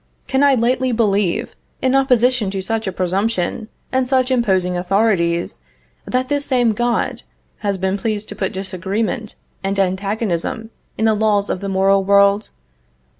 Can I lightly believe, in opposition to such a presumption and such imposing authorities, that this same God has been pleased to put disagreement and antagonism in the laws of the moral world?